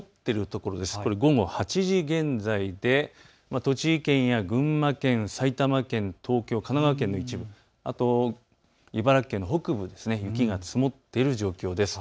これは午後８時現在で栃木県や群馬県、埼玉県、東京、神奈川県の一部、あと茨城県の北部、雪が積もっている状況です。